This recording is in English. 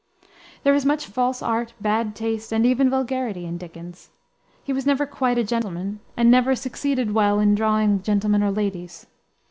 There is much false art, bad taste, and even vulgarity in Dickens. He was never quite a gentleman, and never succeeded well in drawing gentlemen or ladies.